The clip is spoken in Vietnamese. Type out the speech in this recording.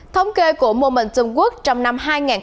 thống kê của momentum quốc trong năm hai nghìn hai mươi một